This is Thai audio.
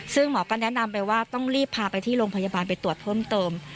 ซึ่งหมอก็แนะนำไปว่าต้องรีบพาไปที่โรงพยาบาลไปตรวจเพิ่มเติม